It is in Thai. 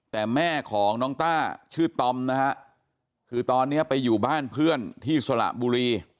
แต่แม่ของน้องต้าชื่อตอมนะฮะคือตอนนี้ไปอยู่บ้านเพื่อนที่สระบุรี